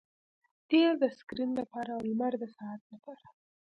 تیل د سکرین لپاره او لمر د ساعت لپاره